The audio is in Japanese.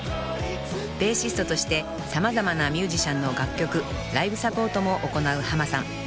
［ベーシストとして様々なミュージシャンの楽曲ライブサポートも行うハマさん］